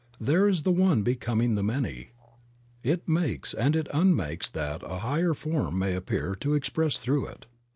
There is the one becoming the many ; it makes and it unmakes that a higher form may appear to express through it.